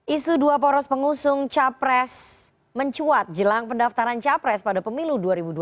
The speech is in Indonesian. isu dua poros pengusung capres mencuat jelang pendaftaran capres pada pemilu dua ribu dua puluh